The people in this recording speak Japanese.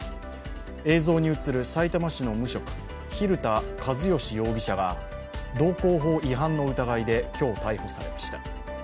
映像に映るさいたま市の無職蛭田和良容疑者は道交法違反の疑いで今日、逮捕されました。